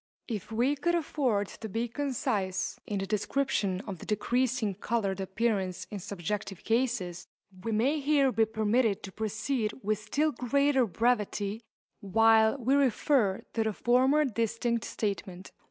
If we could afford to be concise in the description of the decreasing coloured appearance in subjective cases, we may here be permitted to proceed with still greater brevity while we refer to the former distinct statement.